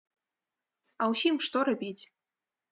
А ўсім што рабіць?